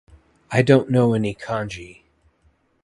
I don't know any Kanji.